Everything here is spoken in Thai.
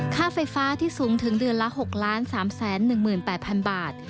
ค่าไฟฟ้าที่สูงถึงเดือนละ๖๓๑๘๐๐๐บาท